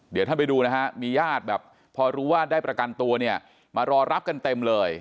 เดี๋ยวท่านไปดูนะฮะมีญาติแบบพอรู้ว่าได้ประกันตัวเนี่ยมารอรับกันเต็มเลย